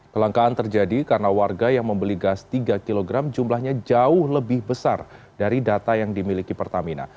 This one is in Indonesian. kelangkaan terjadi karena warga yang membeli gas tiga kg jumlahnya jauh lebih besar dari data yang dimiliki pertamina